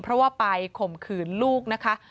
เพราะว่าไปข่มขืนลูกนะคะ